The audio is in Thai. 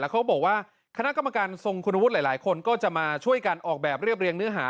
เขาบอกว่าคณะกรรมการทรงคุณวุฒิหลายคนก็จะมาช่วยกันออกแบบเรียบเรียงเนื้อหา